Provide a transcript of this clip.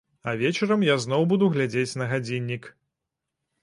А вечарам я зноў буду глядзець на гадзіннік.